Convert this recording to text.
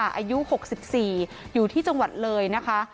อายุ๖๔อยู่ที่จังหวัดเลยนะคะ